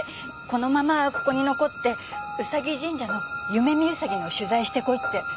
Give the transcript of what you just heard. このままここに残ってうさぎ神社の夢見兎の取材してこいって。